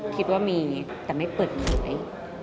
คิดว่ามีแต่ไม่เปิดเผย